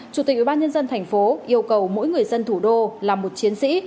chủ tịch ubnd tp yêu cầu mỗi người dân thủ đô là một chiến sĩ